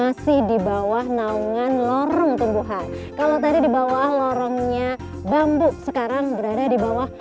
masih di bawah naungan lorong tumbuhan kalau tadi di bawah lorongnya bambu sekarang berada di bawah